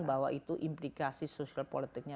bahwa itu implikasi sosial politiknya